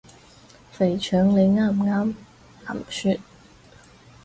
肥腸你啱唔啱？林雪？